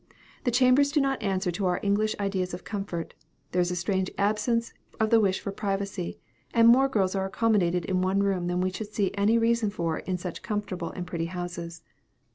The chambers do not answer to our English ideas of comfort. There is a strange absence of the wish for privacy; and more girls are accommodated in one room than we should see any reason for in such comfortable and pretty houses.